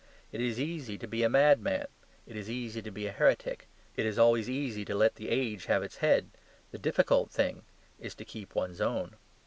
It is easy to be a madman: it is easy to be a heretic. It is always easy to let the age have its head; the difficult thing is to keep one's own.